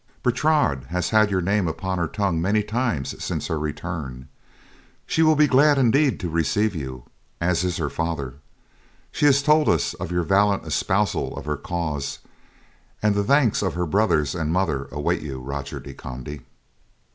"Bertrade has had your name upon her tongue many times since her return. She will be glad indeed to receive you, as is her father. She has told us of your valiant espousal of her cause, and the thanks of her brothers and mother await you, Roger de Conde.